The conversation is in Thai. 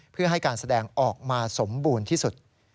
เพื่อให้การแสดงออกมาสมบูรณ์ที่สุด